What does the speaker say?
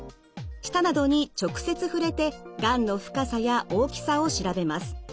舌などに直接触れてがんの深さや大きさを調べます。